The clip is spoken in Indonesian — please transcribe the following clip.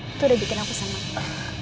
itu udah bikin aku senang